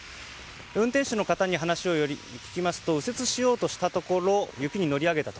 運転手の方に話を聞きますと右折しようとしたところ雪に乗り上げたと。